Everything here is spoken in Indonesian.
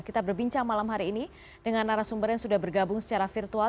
kita berbincang malam hari ini dengan narasumber yang sudah bergabung secara virtual